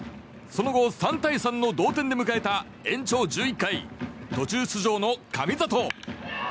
その後、３対３の同点で迎えた延長１１回途中出場の神里。